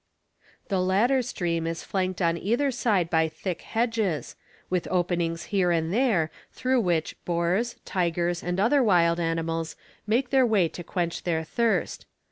The latter stream is flanked on either side by thick hedges, with openings here and there, through which boars, tigers, and other wild animals, made their way to quench their thirst.